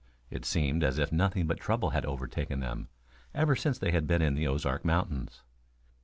It seemed as if nothing but trouble had overtaken them ever since they had been in the Ozark Mountains.